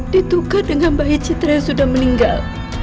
ditukar dengan bayi citra yang sudah meninggal